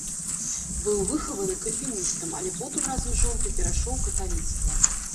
Быў выхаваны кальвіністам, але потым разам з жонкай перайшоў у каталіцтва.